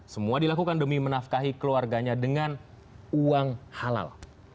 semua dilakukan demi menafkahi keluarganya dengan uang halal